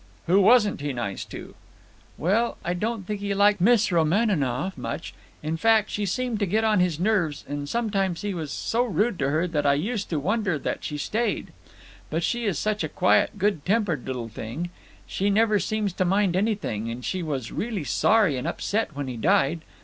"Who wasn't he nice too?" "Well, I don't think he liked Miss Romaninov much, In fact, she seemed to get on his nerves, and sometimes he was so rude to her that I used to wonder that she stayed. But she is such a quiet, good tempered little thing; she never seems to mind anything, and she was really sorry and upset when he died.